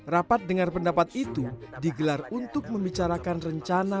rapat dengar pendapat itu digelar untuk membicarakan rencana